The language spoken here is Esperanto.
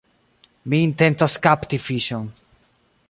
Mi intencas kapti fiŝon.